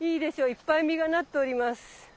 いっぱい実がなっております。